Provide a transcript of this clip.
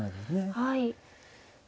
はい。